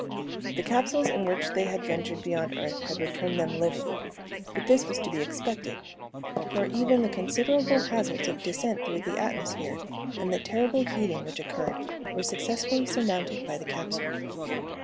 The capsules in which they had ventured beyond Earth had returned them living. But this was to be expected, for even the considerable hazards of descent through the atmosphere and the terrible heating which occurred were successfully surmounted by the capsule.